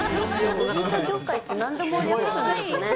ロリータ業界ってなんでも略すんですね。